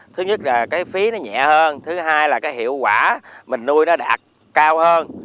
thứ nhất là cái phí nó nhẹ hơn thứ hai là cái hiệu quả mình nuôi nó đạt cao hơn